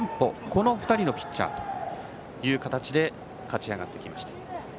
この２人のピッチャーという形で勝ち上がってきました。